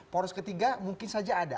poros ketiga mungkin saja ada